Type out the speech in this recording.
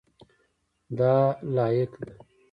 دا لاییک ده.